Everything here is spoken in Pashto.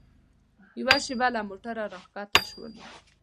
یوه شېبه له موټره راښکته شولو.